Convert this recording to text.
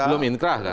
belum inkrah kan